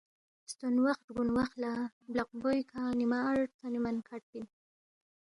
ستون وخ رگون وخلا بلاقبوئی کھا نیما آر تھونی من کھڈپن۔